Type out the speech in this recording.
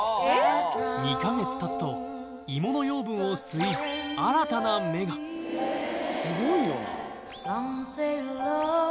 ２か月たつと芋の養分を吸い新たな芽がすごいよな。